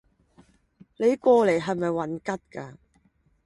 你过嚟系唔系混吉